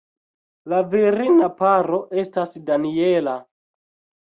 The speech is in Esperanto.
La virina paro estas Daniela.